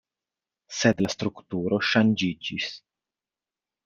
Sed la strukturo ŝanĝiĝis.